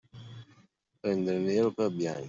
Prendere nero per bianco.